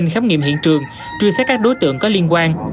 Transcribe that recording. khám nghiệm hiện trường truy xét các đối tượng có liên quan